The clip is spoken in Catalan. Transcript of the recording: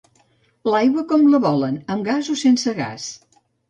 L'aigua com la volen: amb gas o sense gas?